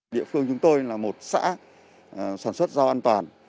địa phương chúng tôi là một xã sản xuất rau an toàn